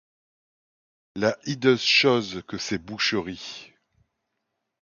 La hideuse chose que ces boucheries!